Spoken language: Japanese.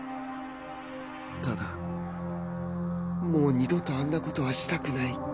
ただもう二度とあんな事はしたくない